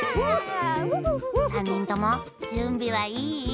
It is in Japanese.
さんにんともじゅんびはいい？